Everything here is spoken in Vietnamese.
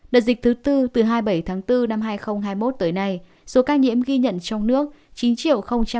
đợt dịch thứ bốn từ hai mươi bảy tháng bốn năm hai nghìn hai mươi một tới nay số ca nhiễm ghi nhận trong nước chín ba bảy trăm sáu mươi hai ca